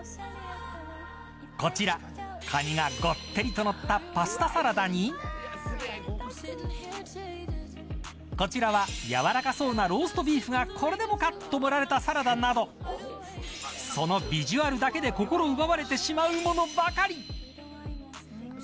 こちら、カニがごってりとのったパスタサラダにこちらはやわらかそうなローストビーフがこれでもかと盛られたサラダなどそのビジュアルだけで心奪われてしまうものばかり。